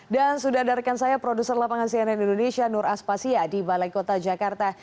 dan sudah adarkan saya produser lapangan cnn indonesia nur aspasia di balai kota jakarta